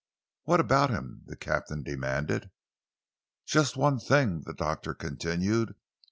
"What about him?" the captain demanded. "Just one thing," the Doctor continued.